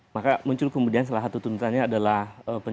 maka muncul kemudian salah satu tuntutannya adalah